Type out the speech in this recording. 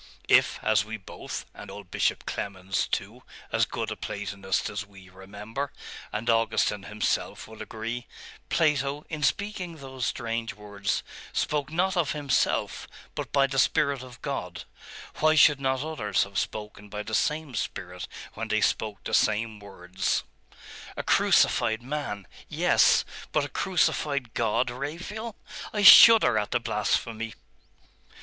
If, as we both and old Bishop Clemens, too as good a Platonist as we, remember and Augustine himself, would agree, Plato in speaking those strange words, spoke not of himself, but by the Spirit of God, why should not others have spoken by the same Spirit when they spoke the same words?' 'A crucified man.... Yes. But a crucified God, Raphael! I shudder at the blasphemy.